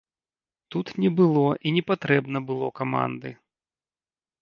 Тут не было і не патрэбна было каманды.